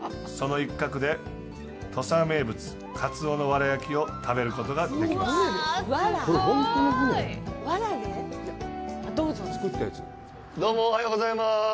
その一角で、土佐名物「カツオの藁焼き」を食べることができます。